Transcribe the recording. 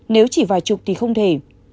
nếu chỉ vài chục thì không thể